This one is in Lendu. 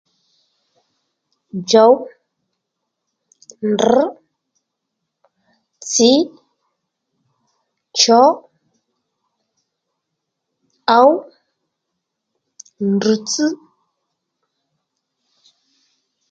Djòw, drr̀, tsǐ, chǒ, ǒw, drr̀tsś